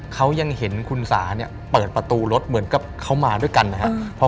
เขายังเห็นคุณสาเนี่ยเปิดประตูรถเหมือนกับเขามาด้วยกันนะครับ